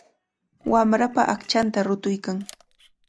Wamrapa aqchanta rutuykan.